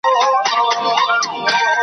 په هر ښار کي به تاوده وي لنګرونه .